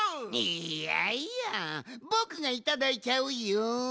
いやいやぼくがいただいちゃうよん！